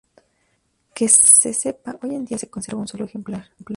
Que se sepa, hoy en día se conserva un solo ejemplar.